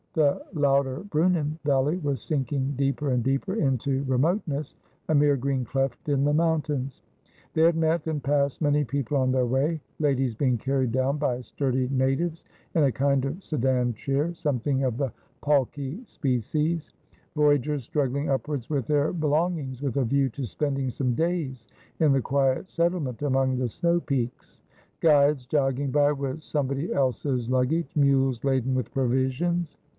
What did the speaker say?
The Lauterbrunnen valley was sinking deeper and deeper into re moteness, a mere green cleft in the mountains. They had met and passed many people on their way : ladies being carried down by sturdy natives in a kind of sedan chair, something of the palki species ; voyagers struggling upwards with their belong ings, with a view to spending some days in the quiet settlement among the snow peaks ; guides jogging by with somebody else's luggage ; mules laden with provisions.